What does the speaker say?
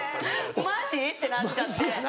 マジ⁉ってなっちゃって。